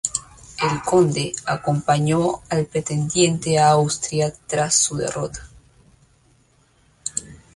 El conde, acompañó al pretendiente a Austria tras su derrota.